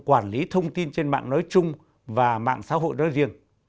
quản lý thông tin trên mạng nói chung và mạng xã hội nói riêng